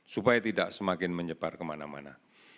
supaya tidak semakin menyebar kemana mana